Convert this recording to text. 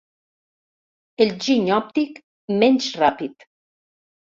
El giny òptic menys ràpid.